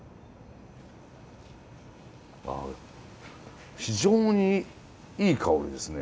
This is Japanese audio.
あ非常にいい香りですね。